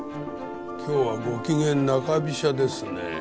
今日はゴキゲン中飛車ですね。